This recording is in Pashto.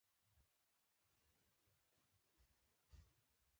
بوتل د بېرته کارونې وړ وي.